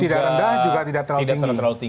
tidak rendah juga tidak terlalu tinggi